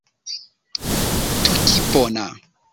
tokipona